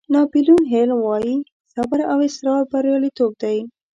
ناپیلیون هیل وایي صبر او اصرار بریالیتوب دی.